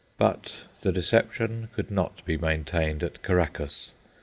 But the deception could not be maintained at Caraccas.